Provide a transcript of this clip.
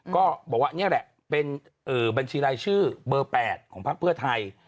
ก็บอกว่านี่แหละเป็นบัญชีรายชื่อเบอร์๘ของพักเพื่อไทย